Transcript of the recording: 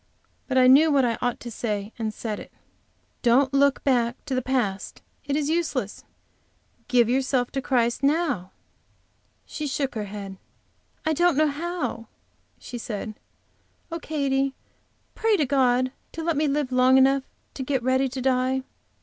But I knew what I ought to say, and said it: "Don't look back to the past; it is useless. Give yourself to Christ now." She shook her head. "I don't know how," she said. "Oh, Katy, pray to God to let me live long enough to get ready to die.